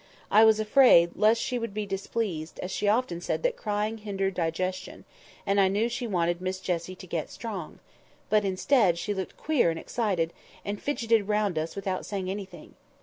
I was afraid lest she would be displeased, as she often said that crying hindered digestion, and I knew she wanted Miss Jessie to get strong; but, instead, she looked queer and excited, and fidgeted round us without saying anything.